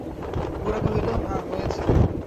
গোরা কহিল, হাঁ, হয়েছে।